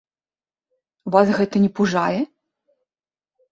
Вас гэта не пужае?